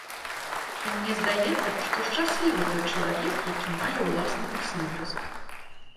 І мне здаецца, што шчаслівы той чалавек, які мае ўласны экслібрыс.